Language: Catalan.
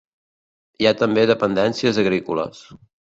Hi ha també dependències agrícoles.